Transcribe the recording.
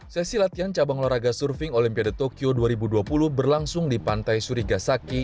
sesi latihan cabang olahraga surfing olimpiade tokyo dua ribu dua puluh berlangsung di pantai surigasaki